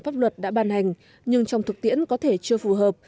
pháp luật đã ban hành nhưng trong thực tiễn có thể chưa phù hợp